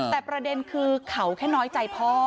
แต่ประเด็นคือเขาแค่น้อยใจพ่อ